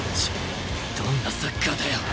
どんなサッカーだよ。